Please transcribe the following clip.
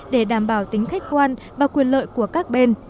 để đảm bảo tính khách quan và quyền lợi của các bên